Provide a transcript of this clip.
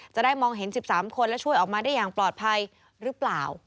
จะได้มองเห็น๑๓คนและช่วยออกมาได้อย่างปลอดภัยหรือเปล่า